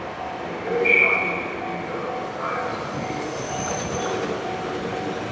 " It's very shocking to think of the pride of some people," observed the superintendent.